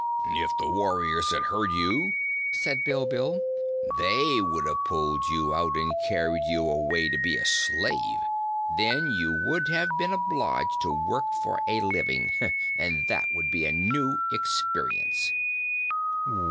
"If the warriors had heard you," said Bilbil, "they would have pulled you out and carried you away to be a slave. Then you would have been obliged to work for a living, and that would be a new experience."